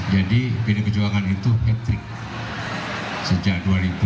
jadi bd pejuangan itu hektik sejak dua ribu empat belas dua ribu sembilan belas dua ribu dua puluh empat